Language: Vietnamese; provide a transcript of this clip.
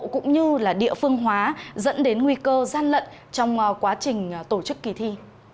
cũng như địa phương hóa dẫn đến nguy cơ gian lận trong quá trình tổ chức kỳ thi